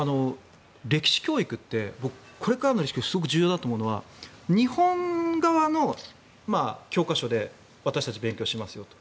歴史教育ってこれからすごく重要だと思うのは日本側の教科書で私たち、勉強しますよと。